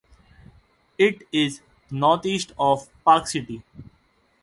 It is northeast of Park City.